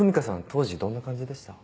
当時どんな感じでした？